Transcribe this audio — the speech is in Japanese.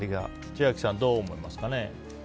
千秋さん、どう思いますかね。